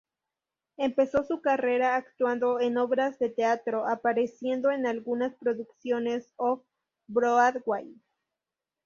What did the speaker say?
Empezó su carrera actuando en obras de teatro, apareciendo en algunas producciones Off-Broadway.